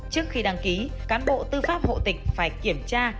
trước khi đăng ký cán bộ tư pháp hộ tịch phải kiểm tra